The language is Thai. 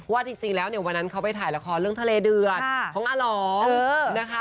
ว่าจริงแล้วเนี่ยวันนั้นเขาไปถ่ายละครเรื่องทะเลเดือดของอาหลองนะคะ